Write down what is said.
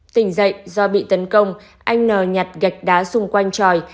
tỉnh dậy do bị tấn công anh n nhặt gạch đá xung quanh tròi